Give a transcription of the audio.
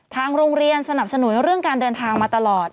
ทางโรงเรียนสนับสนุนเรื่องการเดินทางมาตลอด